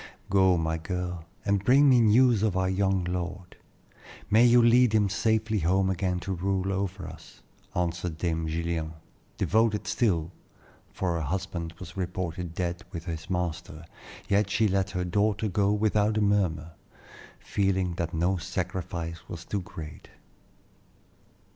"Go, my girl, and bring me news of our young lord. May you lead him safely home again to rule over us," answered Dame Gillian, devoted still, for her husband was reported dead with his master, yet she let her daughter go without a murmur, feeling that no sacrifice was too great.